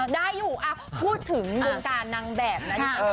ได้อยู่พูดถึงวงการนางแบบนั้น